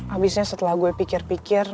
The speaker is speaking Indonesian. abisnya setelah gue pikir pikir